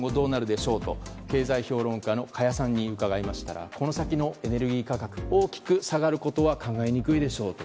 経済評論家の加谷さんに伺いましたがこの先のエネルギー価格大きく下がることは考えにくいでしょうと。